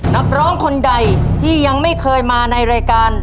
นักร้องคนใดที่ยังไม่เคยมาในรายการ